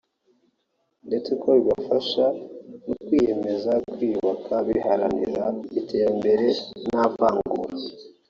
ndetse ko bibafasha no kwiyemeza kwiyubaka baharanira iterambere nta vangura